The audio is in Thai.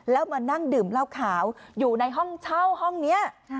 แล้วมานั่งดื่มเหล้าขาวอยู่ในห้องเช่าห้องนี้